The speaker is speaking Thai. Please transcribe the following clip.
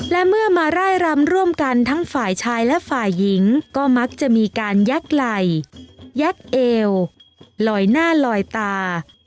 และเมื่อมาร่ายรำร่วมกันทั้งฝ่ายชายและฝ่ายหญิงก็มักจะมีการแยกไหล่แยกเอวลอยหน้าลอยตา